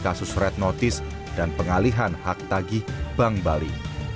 kasus red notice dan pengalihan hak tagih bank bali